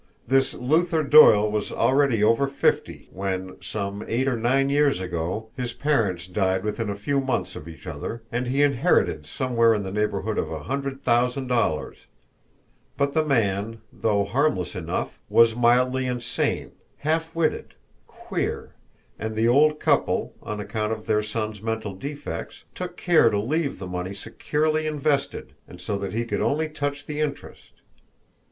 This Luther Doyle was already over fifty, when, some eight or nine years ago, his parents died within a few months of each other, and he inherited somewhere in the neighbourhood of a hundred thousand dollars; but the man, though harmless enough, was mildly insane, half witted, queer, and the old couple, on account of their son's mental defects, took care to leave the money securely invested, and so that he could only touch the interest.